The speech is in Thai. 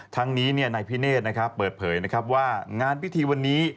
ทั้งนี้นายพิเนธเปิดเผยนะครับว่างานพิธีวันนี้